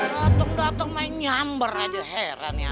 dateng dateng main nyamber aja heran ya